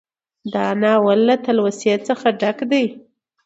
دا ناول له تلوسې څخه ډک دى